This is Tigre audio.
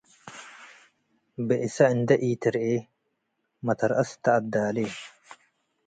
ብእሰ እንዴ ኢትርኤ መተርአሰ ተአትዳሌ።